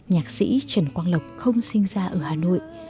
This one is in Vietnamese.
nhạc sĩ trần quang lộc không sinh ra ở hà nội